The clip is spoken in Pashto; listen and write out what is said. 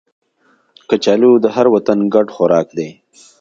کچالو د هر وطن ګډ خوراک دی